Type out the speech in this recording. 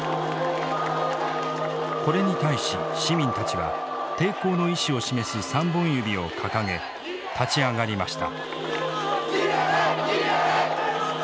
これに対し市民たちは抵抗の意思を示す３本指を掲げ立ち上がりました。